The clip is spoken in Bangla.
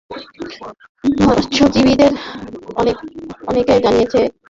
মৎস্যজীবীদের অনেকে জানিয়েছেন, বিলে পানি কমে গেলে সেচের প্রবণতা বেড়ে যায়।